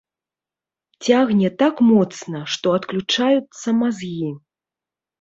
Цягне так моцна, што адключаюцца мазгі.